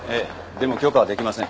でも許可は出来ません。